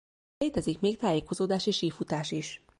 Létezik még tájékozódási sífutás is.